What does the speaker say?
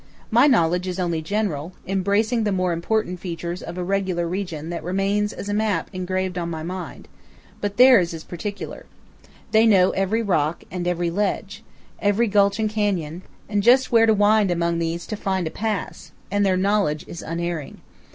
My knowledge is only general, embracing the more important features of a region that remains as a map engraved on my mind; but theirs is particular. They know every rock and every ledge, every gulch and canyon, and just where to wind among these to find a pass; and their knowledge is unerring.